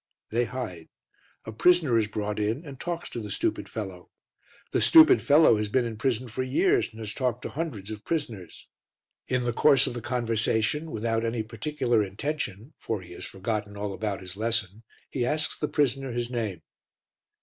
They hide. A prisoner is brought in and talks to the stupid fellow. The stupid fellow has been in prison for years and has talked to hundreds of prisoners. In the course of conversation, without any particular intention, for he has forgotten all about his lesson, he asks the prisoner his name.